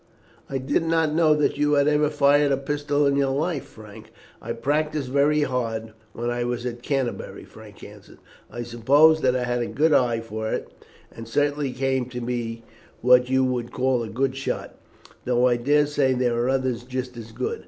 "I did not know that you had ever fired a pistol in your life, Frank." "I practised pretty hard while I was at Canterbury," Frank answered. "I suppose that I had a good eye for it, and certainly came to be what you would call a good shot, though I dare say there are others just as good.